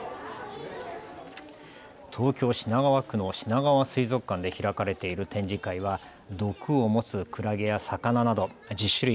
東京品川区のしながわ水族館で開かれている展示会は毒を持つクラゲや魚など１０種類